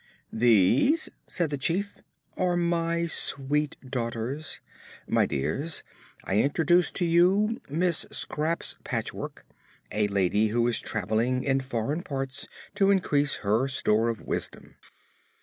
"These," said the Chief, "are my sweet daughters. My dears, I introduce to you Miss Scraps Patchwork, a lady who is traveling in foreign parts to increase her store of wisdom."